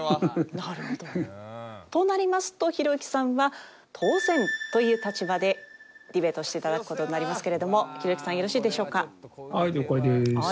なるほど。となりますとひろゆきさんは当然という立場でディベートして頂く事になりますけれどもひろゆきさんよろしいでしょうか？